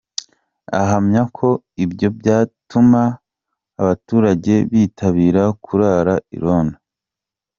Ahamya ko ibyo byatuma abaturage bitabira kurara irondo.